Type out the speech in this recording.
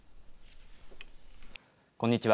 こんにちは。